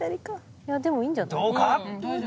いやでもいいんじゃない？どうか？